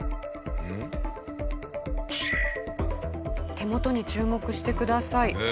手元に注目してください。